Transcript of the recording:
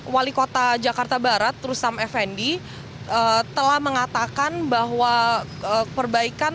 wali kota jakarta barat rusam effendi telah mengatakan bahwa perbaikan